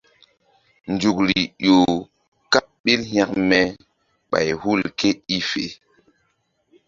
Nzukri ƴo kaɓ ɓil hekme ɓay hul ké i fe.